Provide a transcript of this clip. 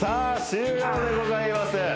終了でございます